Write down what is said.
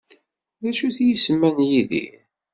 D acu-t yisem-a n Yidir?